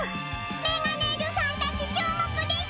メガネーズさんたち注目です！